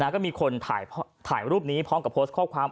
ก็มีคนถ่ายรูปนี้พร้อมกับโพสต์ข้อความ